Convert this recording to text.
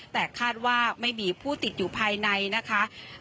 แต่คาดว่าไม่มีผู้ติดอยู่ภายในนะคะ